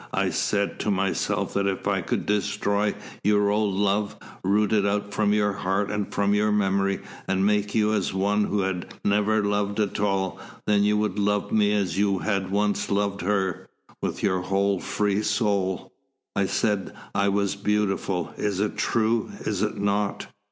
I said to myself that if I could destroy your old love, root it out from your heart and from your memory and make you as one who had never loved at all, then you would love me as you had once loved her, with your whole free soul. I said that I was beautiful it is true, is it not?